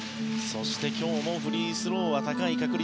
そして、今日もフリースローは高い確率。